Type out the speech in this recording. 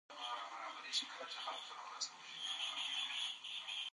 زما پوستکی وچ شوی دی